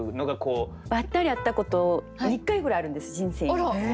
ばったり会ったこと２回ぐらいあるんです人生に。